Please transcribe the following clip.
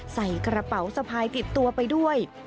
ใส่กระเป๋าสะพายติดตัวไปด้วย